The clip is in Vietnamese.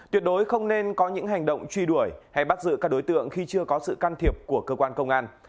tuyệt đối không nên có những hành động truy đuổi hay bắt giữ các đối tượng khi chưa có sự can thiệp của cơ quan công an